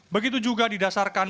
begitu juga didasarkan